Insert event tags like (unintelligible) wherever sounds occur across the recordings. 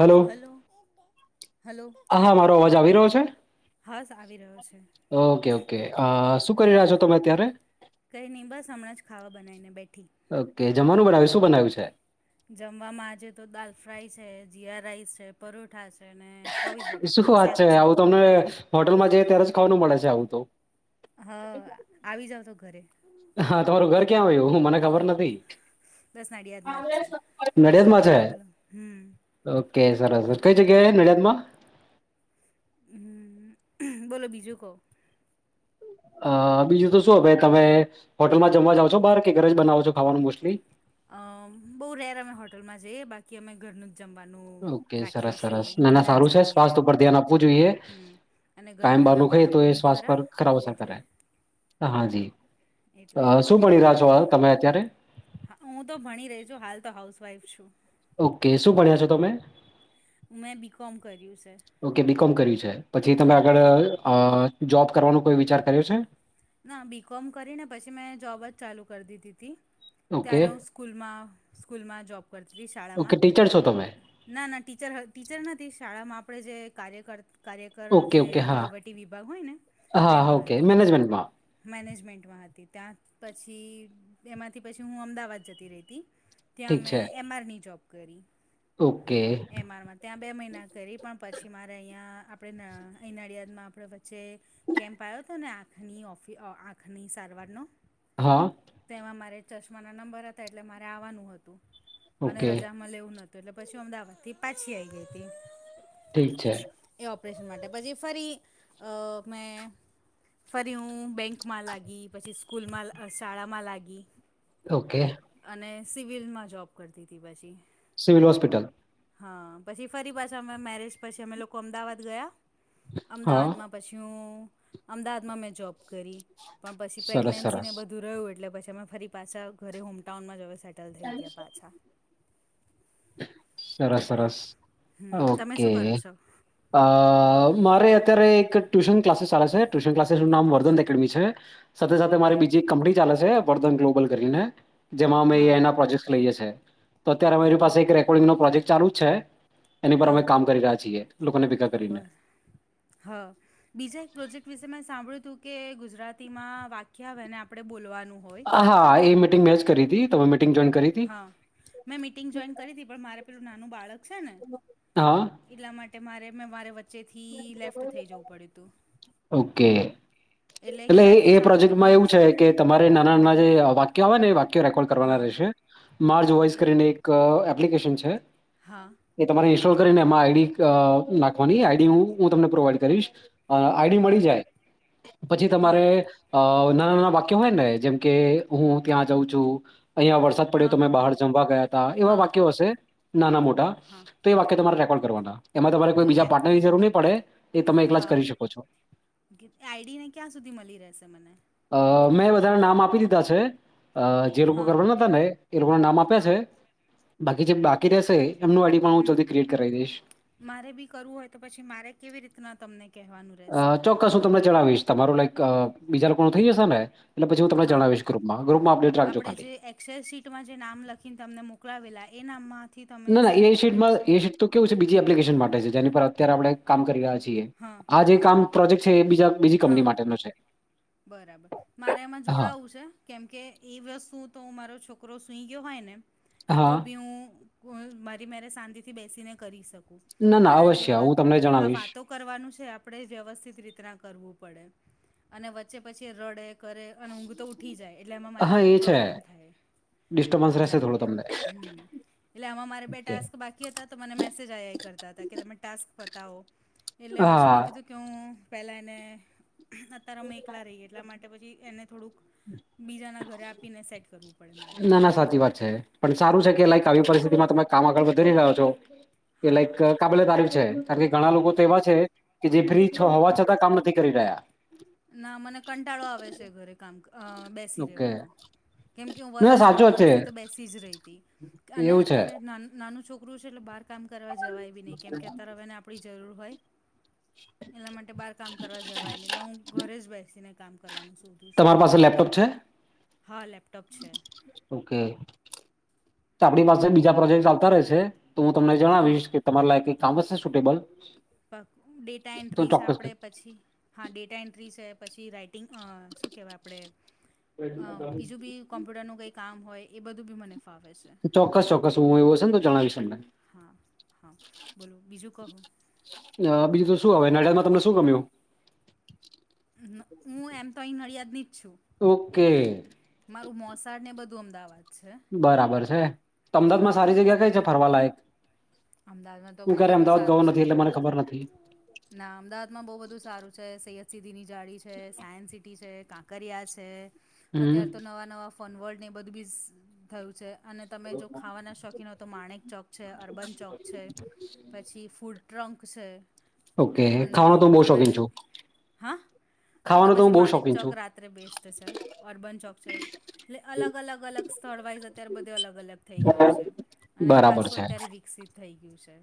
Hello hello hello હાા મારો અવાજ આવી રહ્યો છે. હસ આવી રહ્યો છે ઓકે ઓકે શું કરી રહ્યા છો તમે અત્યારે કંઈ બસ સમણા જ ખાવા બનાવીને બેઠી, ઓકે જમવાનું બનાવ્યું શું બનાવ્યું છે. જમવામાં આજે તો દાલ ફ્રાય છે જીરા રાઇસ છે પરોઠા છે. છે અને કોવીિઝ બટાકાનું શાક છે. મ (unintelligible) હોટલમાં જઈએ ત્યારે જ ખવાનું મળે છે આવું તો હા આવી જાાવ તો ઘરે હા તમારું ઘર ક્યાં આવ્યું હું મને ખબર નથી બસ નડિયાદમાં જ છે નડિયાદમાં છે બોલો બોલો હમ ઓકે સરસ સર કઈ ઓકે જગ્યાએ નડ્યાતમાં બોલો બીજું કહો અ બીજું તો શું ભાઈ તમે હોટલમાં જમવા જઓ છો બાર કે ઘરે જ બનાવો છો ખાવાનું મોસલી અ બહુ રેર અમે હોટેલમાં જએ બાકી અમે ઘરનું જ જમવાનું ઓકે રાખીએ સરસ છીએ સરસ નાના ઘરે જ સારું છે જમીએ એમ સ્વાસ્થ્ય ઉપર ધ્યાન આપવું જોઈએ. હમ અને ઘરે કાયમ નાના બારનુ ખાઇએ તો બાળકો એ બી શ્વાસ ખરા પર ખરાબ અસર એટલે કરાય હા જી એટલે શું મળી રહ્યા છો તમે અત્યારે હા હું તો ભણી રહી છુ હાલ તો હાઉસવાઈફ છું ઓકે શું ભણ્યા છો તમે મેં બી કોમ કર્યું છે. ઓકે બી કોમ કર્યું છે પછી તમે હા આગળ અ જોબ કરવાનો કોઈ વિચાર કર્યો છે. ના બી કોમ કરીને પછી મેં જોબ જ ચાલુ કરી દીધી હતી ઓકે ત્યારે હું સ્કૂલમાં સ્કૂલમાં જોબ કરતી હતી ઓકે શાળામાં ટીચર છો તમે ના ના ટીચર ટીચર નથી શાળામાં આપણે જે કાર્યક કાર્યકર ઓકે જે ઓકે હા વહીવટી વિભાગ હોય ને તેમાં હતી બનપ (unintelligible) મેનેજમેન્ટમાં હતી ત્યાં પછી એમાંથી પછી હું અમદાવાદ જતી રહીતી ઠીક ત્યાં છે મેં એમઆર ની જોબ કરી ઓકે એમઆરમાં ત્યાં બે મહિના કરી પણ પછી મારે અહીંયા આપણે અહી નળિ નળિયાદમાં આપણે જે કેમ્પ આવ્યો હતો ને આંખની ઓફિ આંખની સારવારનો હા. તેમાં મારે ચશ્માના નંબર હતા એટલે મારે આવાનું હતું અને ઓકે રજામાં મલે એવુન તો એટલે પછી અમદાવાદથી પાછી આવી ગઈ હતી ઠીક છે એ ઓપરેશન માટે પછી ફરી અ મેં ફરી હું બેંકમાં લાગી પછી સ્કૂલમાં શાળામાં લાગી ઓકે અને સિવિલમાં જોબ કરતી હતી પછી સિવિલ હોસ્પિટલ હા પછી ફરી પાછા અમે મેરેજ પછી અમે લોકો અમદાવાદ ગયા હા અમદાવાદમાં પછી હું અમદાવાદમાં મેં જોબ કરી પણ પછી સરસ પ્રેગ્નેન્સી સરસ ને બધું રહ્યું એટલે પછી અમે ફરી પાછા ઘરે હોમટાઉનમાં જવા સેટલ થઈ ગયા પાછા સરસ એટલે સરસ હમ તમે ઓકે શું કરો છો અ મારે અત્યારે એક ટ્યુશન ક્લાસીસ ચાલે છે ટ્યુશન ક્લાસીસનું નામ વર્ધન એકેડમી છે. સાથે સાથે ઓકે મારી બીજી એક કંપની ચાલે છે વર્ધન ગ્લોબલ કરીને જેમાં અમે હા એઆઇના પ્રોજેક્ટ લઈએ છી તો અત્યારે મારી પાસે ઓકે પ્રોજેક ચાલુ છે એની પર અમે કામ કરી રહ્યા છીએ ભેગા કરીને. બર હા બીજા એક પ્રોજેક્ટ વિશે મે સાંભળ્યું હતું કે ગુજરાતીમાં વાક્યા આવે આપણે બોલવાનું હોય હા એ મિટિંગ મે જ કરી હતી તમે મિટિંગ જોઈન કરી હતી? હા મેં મિટિંગ જોઈન કરી હતી પણ મારે પેલું નાનું બાળક છે ને હા એટલા માટે મારે મેં મારે વચ્ચેથી લેફ્ટ થઈ જવું પડ્યું હતું ઓકે. એટલે એટલે ક્યારથી એ ચાલુ પ્રોજેક્ટમાં થવાનું એવું છે કે તમારે નાના નાના જે વાક્ય આવે ને એ વાક્ય રેકોર્ડ કરવાના હા રહેશે મા વોઈસ ઓકે કરીને એક એક એપ્લિકેશન છે. હા. એ તમારે ઇન્સ્ટોલ કરીને એમાં આઈડી નાખવાની આઈડી હ હું તમને પ્રોવાઈડ કરીશ અ આઈડી હા મળી જાય પછી હા હા તમારે અ નાના નાના વાક્ય હોય ને જેમ કે હું ત્યાં જાઉં છું. અહિયાયા વરસાદ પડ્યો તો મેં હા બહાર હા જમવા ગયા ત એવા હા વાક્યો હશે નાના મોટા હા તો એ વાક્ય તમારે રેકોર્ડ કરવાના એમાં તમારે તો કોઈ એ બીજા ની જરૂર નહી પડે એ તમે એકલા જ કરી શકો છો આઈડી ને ક્યાં સુધી મળી રહેશે મને અ મેં વધારે નામ આપી દીધા છે અ જે લોકો હા કરવા ન હતાતા ને એ લોકોને નામ આપ્યા હા છે. બાકી જે બાકી રહેશે એમનું આડી પણ હું હમ જલ્દી ક્રિએટ કરાવી દઈશ. મારે બી કરવું હોય તો પછી મારે કેવી રીતના તમને કહેવાનું રહેશે? કશું તમને જણાવીશ તમારું લાઈક બીજા લોકો થઈ જશે ને પછી હું તમને હા જણાવીશ ગ્રુપમાં. ગ્રુપમાં અપડેટ રાખજો આપણે ખાલી. જે એક્સ એલ સીટમાં જે નામ લખીને તમને મોક લાવેલા એ નામમાંથી તમે ના, ના એ સિલેક્ટ કર્યા? એ શીટમાં છે તો કેવું છે બીજી એપ્લિકેશન માટે છે જેની પર અત્યારે આપણે કામ કરી રહ્યા છીએ હા આ જે હા કામ પ્રોજેક્ટ છે એ બીજા બીજી હા કંપની માટેનો છે. બરાબર મારે એમાં હા, જોડાવું છે કેમકે એ વસ્તુ તો હું મારો છોક છોકરો સૂઈ ગયો હોય ને હા. તો બી હું મારી મેરે શાંતિથી બેસીને કરી શકું. ના, ના પણ આ જે અવશ્ય હું તમને વાત જણાવીશ. વાતો કરવાનું છે આપણે વ્યવસ્થિત રીતના કરવું પડે અને વચ્ચે પછી રડે કરે અને ઊંઘતો ઉઠી જાય એટલે એમાં મારે હા, એ થોડી છે પ્રોબ્લેમ થાય. ડિસ્ટર્બન્સ રહેશે એટલા થોડું માટે તમને. હમ એટલે આમાં મારે બે ઓકે. ટાસ્ક બાકી તો મને મેસેજ આ કરતા હતા કે તમે ટાસ્ક પતાવો એટલે પછી હા, મેં કીધું કે પહેલાં એને અતાર અમે એકલા રહીએ એટલા માટે પછી એને થોડુંક બીજાના ઘરે આપીને સેટ કરવું પડે મારે. ના, ના સાચી વાત છે. પણ સારું છે કે એટલે લાઈક આવી પરિસ્થિતિમાં તમે કામ આગળ વધી રહ્યા છો કે હા લાઈક કાબલિયત તારીફ છે. કારણ કે ઘણા લોકો તો એવા છે કે જે ફ્રી હા હોવા છતાં કામ નથી કરી રહ્યા. ના મને કંટાળો આવે છે ઘરે કામ અ બેસી ઓકે રહેેવાનો કેમકે હું ના વરસ દોઢ સાચો છે વરસથી તો બેસી જ રહી હતી અને એવું છે અત્યારે નાનું છોક ક છે એટલે બાર કામ કરવા જવાય બી નહી કેમ કે અત્યારે હવેને આપણી જરૂર હોય. એલા માટે બાર કામ કરવા જવાય ને એટલે હું ઘરે જ બેસીને કામ કરવાનું છું તમારી પાસે લેપટોપ છે? હા લેપટોપ છે. ઓકે આપણી એટલે પાસે બીજા પ્રોજેક્ટ ચાલતા રહેશે તો હું તમને હા જણાવીશ કે તમારા લાયક કઈ કામ હશે સુટેબલ પ ડેટા તો એન્ટ્રી છે ચોક્કસ આપણે કહીશ. પછી હા ડેટા એન્ટ્રી છે પછી રાઈટ શું કહેવાય આપણેે અ બીજું બી કોમ્પ્યુટરનું કંઈ કામ હોય એ બધું બી મને ફાવે છે. ચોક્કસ ચોક્કસ હું એવું હશેને તો જણાવીશ તમને હા હા બોલો બીજું કહો. બીજું તો શું હવે નડિયાદમાં તમને શું ગમ્યું? હું એમ તો અહીં નડિયાદની જ છું. ઓકે! મારું મોસાડ ને બધું અમદાવાદ. છે બરાબર છે તો અમદાવાદ માં એટલે સારી હું જગ્યા કઈ છે ફરવાલાયક? અમદાવાદમાં તો હું બહુ ક્યારે બધું અમદાવાદ ગઉ સારું છે નથી એટલે મને ખબર નથી. ના અમદાવાદમાં બહુ બધું સારું છે સૈયદ સિદિ ની જાળી છે સાયન્સ સિટી છે કાં કર્યા છે હમ અત્યારે તો નવા નવા ફોન વર્લ્ડની બધું બી થયું છે અને તમે જો ખાવાના શોખીન હોય તો માણેક ચોક છે અર્બન ચોક છે પછી ફૂડ ટ્રંક છે. ઓકે અને ખાવાનો તો હું બહુ તમારે શોખીન જો, છું હા, તો તો ખાવાનો હું પછી બહુ માણેક શોખીન ચોક છું રાત ત્રે બેસ્ટ છે, અર્બન ચોક છે, એટલે અલગ અલગ અલગ સ્થળવાઈઝ અત્યારે બધે અલગ અલગ થઈ ગયું છે અને બરાબર ખાસું છે અત્યારે વિકસિત થઈ ગયું છે.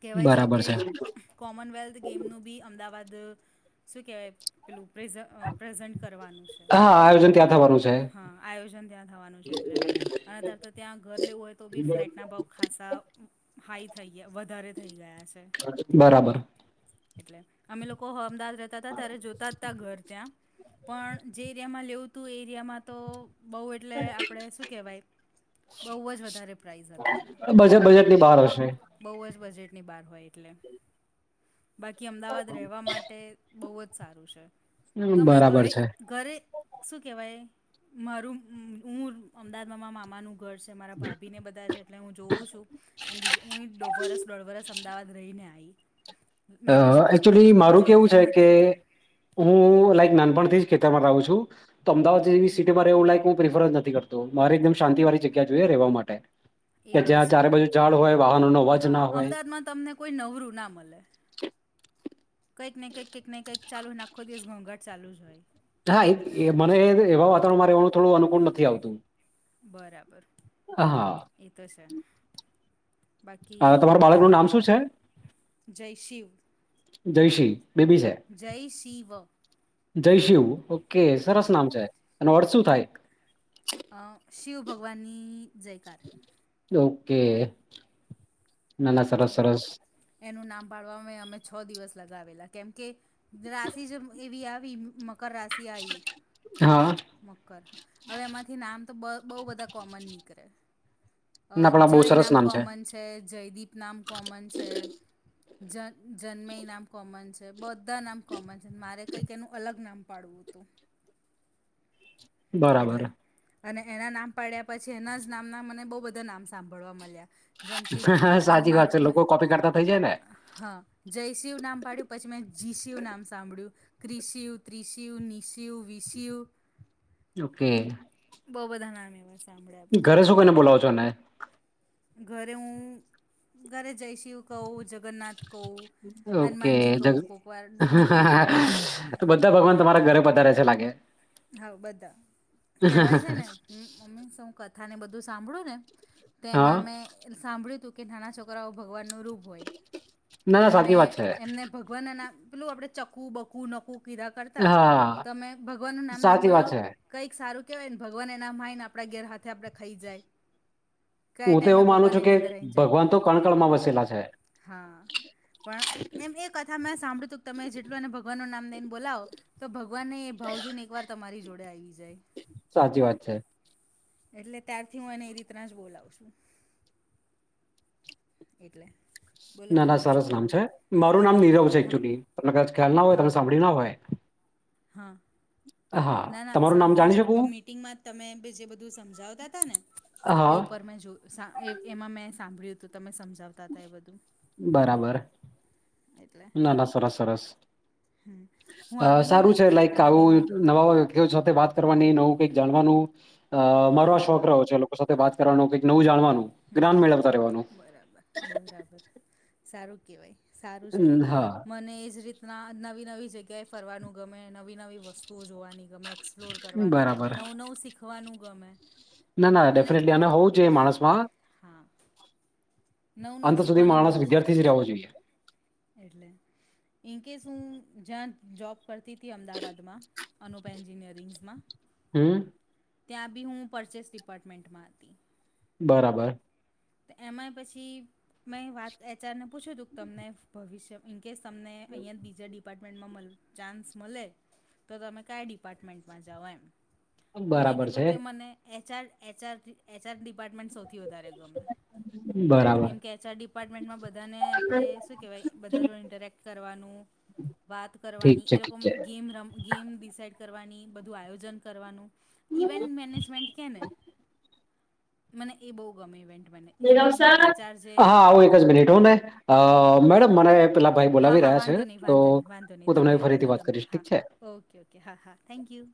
કહેવાય છે કે કોમનવેલ્થ ગેમનું બી અમદાવાદ શું કહેવાય પેલું પ્રેઝ પ્રેઝન્ટ કરવાનું છે. હા આયોજન ત્યાં થવાનું છે હા આયોજન ત્યાં થવાનું છે એટલે અને અતાર તો ત્યાં ઘર લેવું હોય તો બી ફ્લેટના ભાવ ખાસા હાઈ થઈ ગયા વધારે થઈ ગયા છે. બરાબર એટલે અમે લોકો હમદા જતાતા ત્યારે જોતાજ તા ઘર ત્યાં પણ જે એરિયામાં લેવુંતું એ એરિયામાં તો બહુ એટલે આપણે શું કહેવાય, બહુ જ વધારે પ્રાઇઝ હતા એના ભાવ. લી બાર હશે બહુ જ બજેટની બહાર હોય એટલે, બાકી અમદાવાદ રહેવા માટે બહુ જ સારું છે, તમે બરાબર ઘરે છે ઘરે શું કહેવાય, મારું હું અમદાવાદમાં મારા મામાનું ઘર છે, મારા ભાભી ને બધા છે, એટલે હું જોઉં છું. અને બીજું હુઇ ડો વરસ દોઢ વરસ અમદાવાદ રહીને આઈ. અ એકચુલી મારું કેવું છે કે એટલે હું લાઈક નાનપણથી જ ખેતરમાં રહું છું, તો અમદાવાદ જેવી હમ સિટીમાં રહેવું લાઈક હુ પ્રિફરજ નથી કરતો, મારે એકદમ શાંતિ વાળી જગ્યા જોઈએ રહેવા માટે. એ કે તો જ્યાં છે ચારે બાજુ ઝાડ હોય, વાહનો નો અવાજ ના હોય. માં તમને કોઈ નવરું ના મળે. કંઈકને કેક કેક ને કેક ચાલુ ને આખો દિવસ ઘોંઘાટ ચાલુ જ હોય. થાય, એ મને એવા હા વાતાવરણ માં રહેવાનું થોડું અનુકૂળ નથી આવતું. બરાબર, હા એ તો છે. બાકી આ તમારા બાળક નું નામ શું છે? જયશિવ જયશી બેબી છે, શિવ જયશિવ ઓકે હા સરસ નામ છે. એનો અર્થ શું થાય? અ શિવ ભગવાનની જયકાર ઓકે, ના ના સરસ એટલે સરસ એનું નામ પાડવાવામાં મે અમે છ દિવસ લગાવેલા કેમ કે રાશિજ એવી આવી મકર રાશિ આઈ. હા મકર, હવે એમાંથી નામ તો બ બહુ બધા કોમન નીકળે. અ ના પણ આ બહુ જય સરસ નામ કોમન છ છે, જયદીપ નામ કોમન છે, જન જન્મય નામ કોમન છે, બધ ધા નામ કોમન છે, મારે કંઈક એનું અલગ નામ પાડવું હતું. બરાબર એટલે, અને એના નામ પાડ્યા પછી એનાજ નામના મને બહુ બધા નામ સાંભળવા મળ્યા. જેમ કીદ સાચી વાત અનુમારું છે મે લોકો કોપી કરતા થઈ જાય ને અ હા, જયશિવ નામ પાડ્યું, પછી મેં જીશિવ નામ સાંભળ્યું. ક્રિશિવ, ત્રીશિવ, નીશિવ, વિશિવ ઓકે બહુ બધા નામ એવા છે. ઘરે શું કઈને બોલાવો છો એને? ઘરે હું, ઘરે જય શિવ કહું જગન્નાથ કહુ, ઓકે હનુમાનજી કહું જગ કોક વાર દિકુ કહુ તો બધા ભગવાન તમારા ઘરે પધારે છે લાગે. હા બધાય, કેહેવાય છે ને મમ્મી શૌ કથા ને બધું તો સાંભળ્યુંને હા તેમાં મેં સાંભળ્યું તું કે નાના છો કરાઓ ભગવાનનું રૂપ હોય, ના ના તમે સાચી વાત છે એમને ભગવાનના નામ, પેલું આપણે ચખ્ખું, બકું, નકું, કીધા કરતા હા તમે ભ નામ દઈન સાચી વાત બોલાવ, છે કઈક સારું કેહેવાય ને ભગવાન એ નામ માય ને આપડા ઘેર હાથે આપડે ખાઈ જાય. કયા હું તો ટાઈમે એવું માનું ભગવાન છું કે એની અંદર આવી જાય ભગવાન તો કણકણમાં વસેલા છે. હા. પણ એમ એ કથા મેં સાંભળ્યું તું તમે જેટલું એને ભગવાન નું નામ લઈને બોલાવો તો ભગવાનને ભાવજૂને એકવાર તમારી જોડે આવી જાય. સાચી વાત છે. એટલે ત્યારથી હું એને એ રીતના જ બોલાવ છું. એટલે. બોલો ના બોલો ના બીજું સરસ નામ કહો છે, મારું નામ નીરવ છે હા એકચ્યુલી તમને કદાચ ખ્યાલ ના હોય તમ હા સાંભળી ના હોય. હા, હા ના ના તમારું નામ સાંભળ્યું જાણી છે શકું મી ટીમમાં તમે જે બધું સમજાવતા હતા ને એ હા ઉપર મેં જો સા એ એમાં મેં સાંભળ્યું હતું તમે સમજાવતા હતા એ બધું. બરાબર. એટલે ના ના સરસ સરસ, હમ હું અ આવીને સારું ગઈ છે હતી લાઈક આવું એકેડમીમાં નવા હોય લોકો સાથે વાત કરવાની, નવું કઈક જાણવાનું અ મારો શોખ હા રહ્યો છે. સાથે વાત કરવાનું કઈક નવું જાણવાનું. હમ્મ, જ્ઞાન મેળવતા રહેવાનું. બરાબર બરાબર, સારું કહેવાય. સારું છે, હમ્મ હા મને એજ રીતના નવી નવી જગ્યાએ ફરવાનું ગમે, નવી નવી વસ્તુઓ જોવાની ગમે, એક્સપ્લોર કરવાનું ગમે, બરાબર નવું નવું શીખ લખવાનું ગમે. ના ના ડેફિનેટલી અને હોવું જોઈ માણસ માં. હા, નવું અંત નવું સુધી શીખવાનો બહુ માણસ શોખ વિદ્યાર્થી જ છે. રહેવો જોઈએ. એટલે. ઇન કેસ હું જ્યાં જોબ કરતી હતી અમદાવાદમાં. અનોપ એન્જિનિયરિંગ્સમાં. હમ્મ. ત્યાં બી હું પરચેસ ડિપાર્ટમેન્ટમાં હતી. બરાબર. તો એમાંય પછી મેં વાત એચ આરને પૂછ્યું હતું કે તમને ભવિષ્ય ઇનકેસ તમને અહીંયા જ બીજા ડિપાર્ટ મેન્ટમાં ચાન્સ મળે તો તમે કયા ડિપાર્ટમેન્ટમાં જાઓ એમ. તો મેં બરાબર કીધું છે કે મને H R H R H R department સૌથી વધારે ગમે. બરાબર કેમ કે એ ચાર ડિપાર્ટમેન્ટમાં બધાને આપણે શું કહેવાય બધા જોડે ઇન્ટરેક્ટ કરવાનું વાત ઠીક કરવાની છે એ લોકો ઠીક છે ગેમ રમ ગેમ ડિસાઈડ કરવાની બધું આયોજન કરવાનું. ઇવેન્ટ મેનેજમેન્ટ કે ને, મને એ બહુ ગમે ઇવેન્ટ મેનેજ હા આવું એક જ મિનિટ હું ને મેડમ મને પેલા ભાઈ હા બોલાવી હા રહ્યા છે વાંધો નહીં તો વાંધો નહીં વાંધો નહીં હું તમને તમે ફરીથી તમે વાત તમે કરીશ હા ઠીક છે. ઓકે ઓકે હા હા થેન્ક યુ.